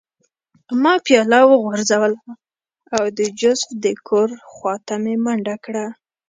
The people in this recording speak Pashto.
ما پیاله وغورځوله او د جوزف د کور خوا ته مې منډه کړه